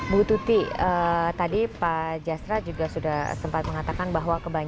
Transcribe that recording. bu tuti tadi pak jasra juga sudah sempat mengatakan bahwa